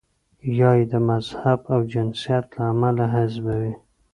یا یې د مذهب او جنسیت له امله حذفوي.